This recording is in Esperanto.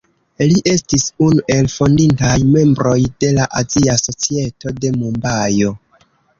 Li estis unu el fondintaj membroj de la Azia Societo de Mumbajo.